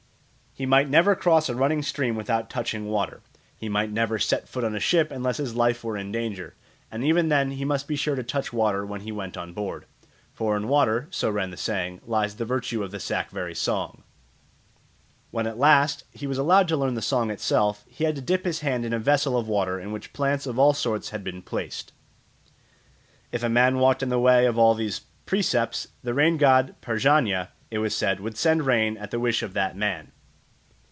He might never cross a running stream without touching water; he might never set foot on a ship unless his life were in danger, and even then he must be sure to touch water when he went on board; "for in water," so ran the saying, "lies the virtue of the Sakvari¯ song." When at last he was allowed to learn the song itself, he had to dip his hands in a vessel of water in which plants of all sorts had been placed. If a man walked in the way of all these precepts, the rain god Parjanya, it was said, would send rain at the wish of that man.